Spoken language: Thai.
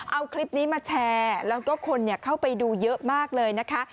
เอาคลิปนี้มาแชร์แล้วก็คนเข้าไปดูเยอะมากเลยนะคะ